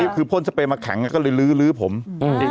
คือพ่นสเปรย์มาแข็งก็เลยลื้อผม